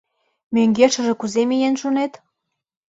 — Мӧҥгешыже кузе миен шунет?